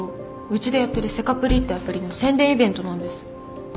うちでやってるセカプリってアプリの宣伝イベントなんです。